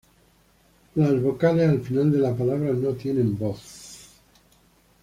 Las vocales al final de las palabras no tienen voz.